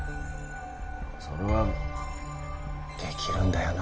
それはできるんだよな